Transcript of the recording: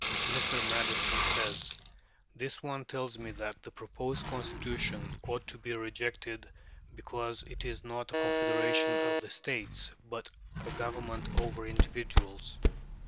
Mr. Madison says: "This one tells me that the proposed Constitution ought to be rejected, because it is not a confederation of the states, but a government over individuals.